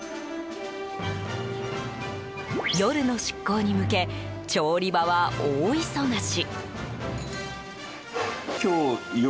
夜の出港に向け調理場は大忙し。